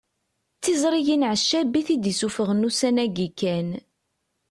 D tiẓrigin Ɛeccab i t-id-isuffɣen ussan-agi kan